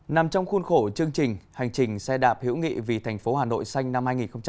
nằm trong khuôn khổ chương trình hành trình xe đạp hữu nghị vì thành phố hà nội xanh năm hai nghìn hai mươi